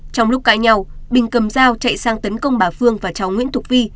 trong lúc cãi nhau bình cầm dao chạy sang tấn công bà phương và cháu nguyễn thục vi